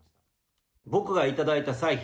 僕が頂いた歳費